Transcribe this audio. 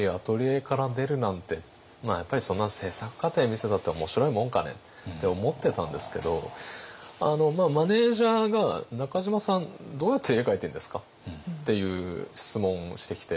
やっぱり「そんな制作過程見せたって面白いもんかね？」って思ってたんですけどマネージャーが「中島さんどうやって絵描いているんですか？」っていう質問をしてきて。